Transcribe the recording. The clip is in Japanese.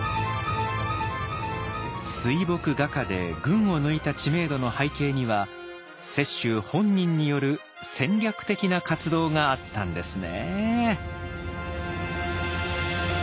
水墨画家で群を抜いた知名度の背景には雪舟本人による戦略的な活動があったんですね。